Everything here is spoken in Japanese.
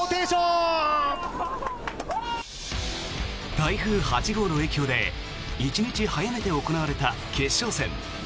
台風８号の影響で１日早めて行われた決勝戦。